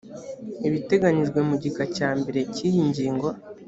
ibiteganyijwe mu gika cya mbere cy iyi ngingo